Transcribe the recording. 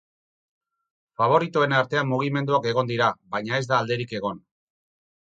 Faboritoen artean mugimenduak egon dira, baina ez da alderik egon.